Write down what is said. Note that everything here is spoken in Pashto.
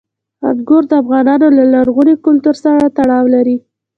انګور د افغانانو له لرغوني کلتور سره تړاو لري.